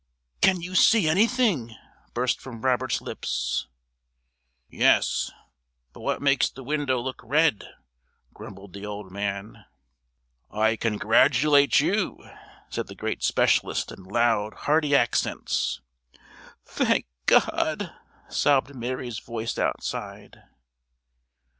"Can you see anything?" burst from Robert's lips. "Yes, but what makes the window look red?" grumbled the old man. "I congratulate you," said the great specialist in loud, hearty accents. "Thank God!" sobbed Mary's voice outside.